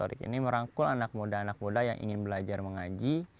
tarik ini merangkul anak muda anak muda yang ingin belajar mengaji